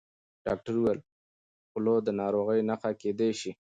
ډاکټر وویل خوله د ناروغۍ نښه کېدای شي.